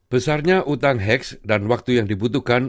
besarnya utang heax dan waktu yang dibutuhkan